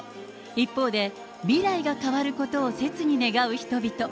一方で、未来が変わることをせつに願う人々。